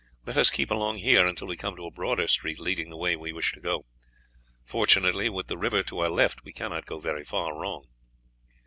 Let us keep along here until we come to a broader street leading the way we wish to go; fortunately, with the river to our left, we cannot go very far wrong."